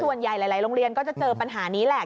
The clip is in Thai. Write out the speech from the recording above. ส่วนใหญ่หลายโรงเรียนก็จะเจอปัญหานี้แหละ